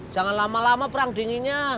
jangan lama lama perang dinginnya